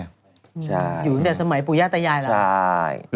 ใช่ใช่ใช่อยู่แต่สมัยปุญญาตยายแล้ว